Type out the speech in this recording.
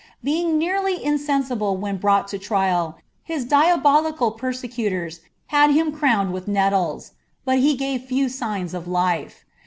Being neariy insensible when brought to trial, his diabolical persecutors had him crowned with nettles.' But he gave few signs of life.